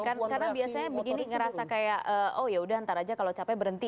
karena biasanya begini merasa kayak oh ya udah ntar aja kalau capek berhenti